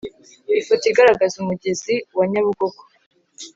Ifoto igaragaza umugezi wa Nyabugogo